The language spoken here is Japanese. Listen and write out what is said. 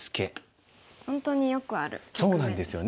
本当によくある局面ですね。